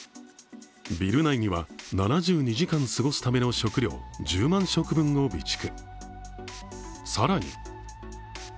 ビル内には、７２時間過ごすための食料１０万食分を備蓄。